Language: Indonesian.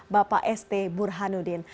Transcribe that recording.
bapak st burhanuddin